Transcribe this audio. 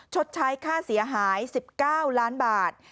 ชดใช้ค่าเสียหาย๑๙ล้านบาท